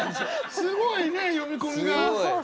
すごいね読み込みが。